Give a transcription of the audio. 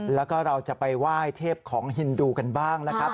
แล้วก็เราจะไปไหว้เทพของฮินดูกันบ้างนะครับ